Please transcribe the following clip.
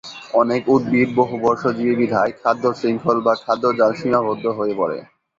অনেক উদ্ভিদ বহুবর্ষজীবী বিধায় খাদ্যশৃঙ্খল বা খাদ্যজাল সীমাবদ্ধ হয়ে পড়ে।